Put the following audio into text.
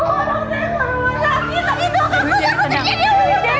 iwi aku gak mau terjadi apaan